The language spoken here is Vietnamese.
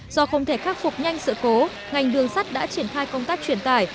do không thể khắc phục nhanh sự cố ngành đường sắt đã triển khai công tác truyền tải